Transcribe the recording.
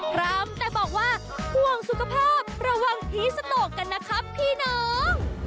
พร้อมแต่บอกว่าห่วงสุขภาพระวังผีสโตกันนะครับพี่น้อง